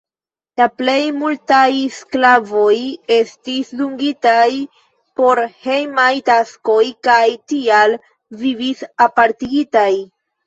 La plej multaj sklavoj estis dungitaj por hejmaj taskoj kaj tial vivis apartigitaj.